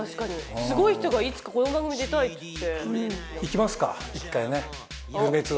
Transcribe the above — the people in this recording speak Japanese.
すごい人がいつかこの番組出たいっつって。